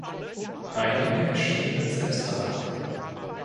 Einige erschienen im Selbstverlag.